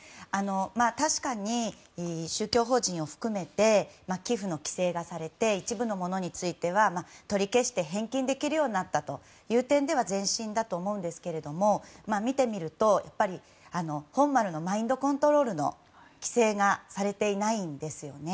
確かに宗教法人を含めて寄付の規制がされて一部のものについては取り消して返金できるようになったという点では前進だと思うんですけれども見てみると、本丸のマインドコントロールの規制がされていないんですよね。